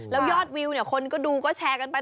แล้วยอดวิวเนี่ยคนก็ดูก็แชร์กันไป